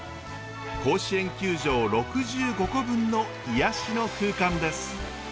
甲子園球場６５個分の癒やしの空間です。